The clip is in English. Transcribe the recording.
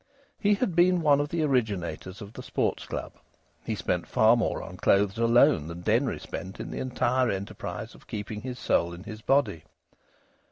He had been one of the originators of the Sports Club. He spent far more on clothes alone than Denry spent in the entire enterprise of keeping his soul in his body.